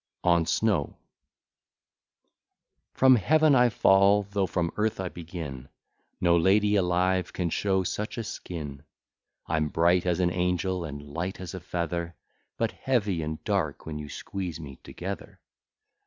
ON SNOW From Heaven I fall, though from earth I begin, No lady alive can show such a skin. I'm bright as an angel, and light as a feather, But heavy and dark, when you squeeze me together.